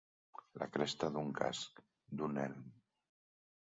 La cresta d'un casc, d'un elm.